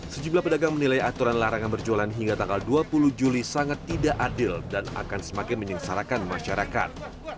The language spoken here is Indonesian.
sejumlah pedagang menilai aturan larangan berjualan hingga tanggal dua puluh juli sangat tidak adil dan akan semakin menyengsarakan masyarakat